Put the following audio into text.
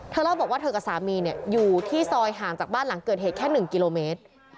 เล่าบอกว่าเธอกับสามีอยู่ที่ซอยห่างจากบ้านหลังเกิดเหตุแค่๑กิโลเมตร